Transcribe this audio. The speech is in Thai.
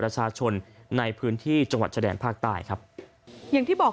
ประชาชนในพื้นที่จังหวัดชะแดนภาคใต้ครับอย่างที่บอก